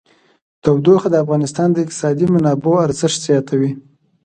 تودوخه د افغانستان د اقتصادي منابعو ارزښت زیاتوي.